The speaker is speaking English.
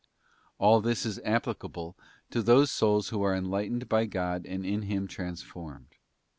All this is applicable to those souls who are enlightened by God and in Him transformed.